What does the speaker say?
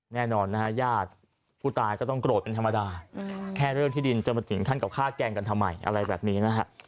แน่นอนนะฮะญาติผู้ตายก็ต้องโกรธเป็นธรรมดาแค่เรื่องที่ดินจะมาถึงขั้นกับฆ่าแกล้งกันทำไมอะไรแบบนี้นะฮะ